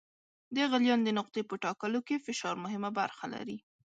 د غلیان د نقطې په ټاکلو کې فشار مهمه برخه لري.